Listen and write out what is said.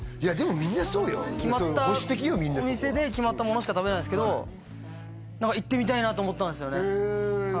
みんなそこは決まったお店で決まったものしか食べないんすけど行ってみたいなと思ったんすよね